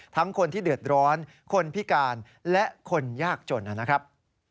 คนที่เดือดร้อนคนพิการและคนยากจนนะครับ